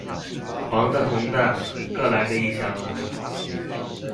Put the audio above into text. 黃的紅的各來個一箱啦